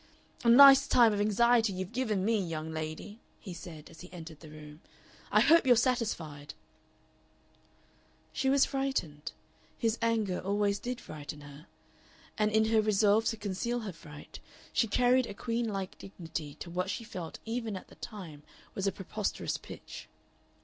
"A nice time of anxiety you've given me, young lady," he said, as he entered the room. "I hope you're satisfied." She was frightened his anger always did frighten her and in her resolve to conceal her fright she carried a queen like dignity to what she felt even at the time was a preposterous pitch.